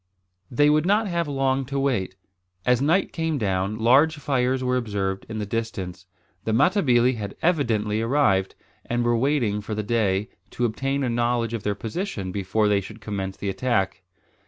They would not have long to wait. As night came down, large fires were observed in the distance. The Matabili had evidently arrived, and were probably waiting for day, to obtain a knowledge of their position before they should commence the attack.